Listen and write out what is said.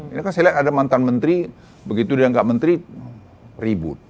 ini kan saya lihat ada mantan menteri begitu dia enggak menteri ribut